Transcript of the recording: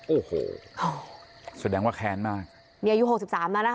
โอ้โหแสดงว่าแค้นมากนี่อายุหกสิบสามแล้วนะคะ